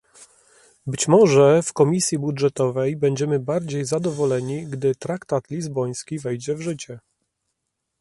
Być może w Komisji Budżetowej będziemy bardziej zadowoleni, gdy traktat lizboński wejdzie w życie